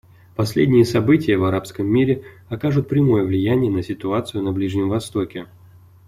Последние события в арабском мире окажут прямое влияния на ситуацию на Ближнем Востоке.